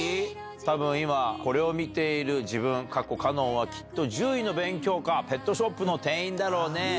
たぶん今、これを見ている自分、かっこかのんはきっと獣医の勉強か、ペットショップの店員だろうね。